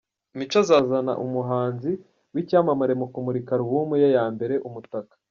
Mico azazana umuhanzi wicyamamare mu kumurika alubumuye ya mbere “Umutaka”